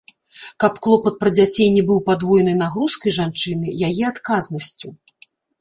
Каб клопат пра дзяцей не быў падвойнай нагрузкай жанчыны, яе адказнасцю.